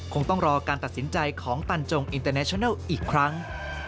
คงต้องรอการตัดสินใจของตันจงอินเตอร์เนชนัลอีกครั้ง